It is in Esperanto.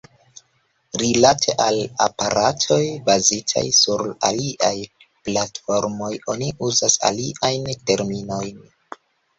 Rilate al aparatoj, bazitaj sur aliaj platformoj, oni uzas aliajn terminojn.